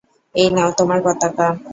এই নাও তোমার পতাকা।